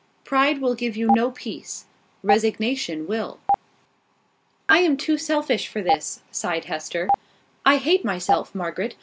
Pride will give you no peace: resignation will." "I am too selfish for this," sighed Hester. "I hate myself, Margaret.